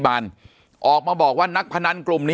ปากกับภาคภูมิ